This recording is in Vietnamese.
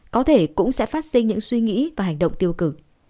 có thể cũng sẽ phát sinh những suy nghĩ và hành động tiêu cực